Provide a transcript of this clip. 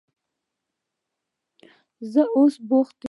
زه اوس بوخت یم.